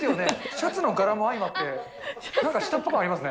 シャツの柄も相まって、なんか下っ端感ありますね。